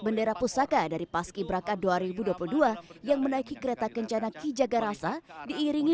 bendera pusaka dari paski braka dua ribu dua puluh dua yang menaiki kereta kencana ki jagarasa diiringi